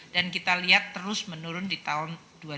dan kita lihat terus menurun di tahun dua ribu dua puluh empat